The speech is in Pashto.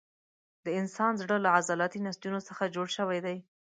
د انسان زړه له عضلاتي نسجونو څخه جوړ شوی دی.